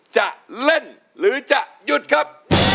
จะเล่นหรือจะหยุดครับ